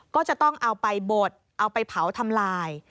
ก็จะต้องเอาไปบดเอาไปเผาทำลาย